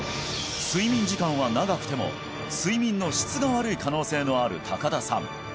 睡眠時間は長くても睡眠の質が悪い可能性のある高田さん